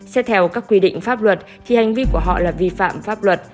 xét theo các quy định pháp luật thì hành vi của họ là vi phạm pháp luật